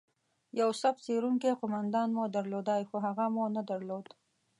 یو صف څیرونکی قومندان مو درلودلای، خو هغه مو نه درلود.